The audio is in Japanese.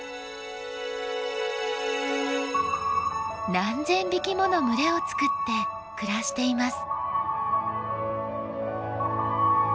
何千匹もの群れを作って暮らしています。